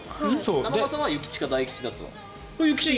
玉川さんは諭吉か大吉だと？